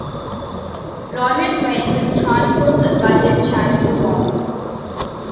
Roger's reign was chronicled by his chancellor Walter.